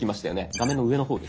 画面の上の方です。